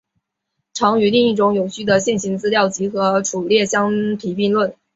常与另一种有序的线性资料集合伫列相提并论。